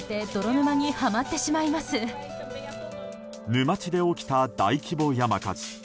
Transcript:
沼地で起きた大規模山火事。